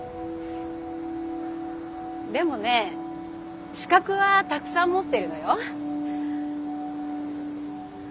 でもね資格はたくさん持ってるのよ。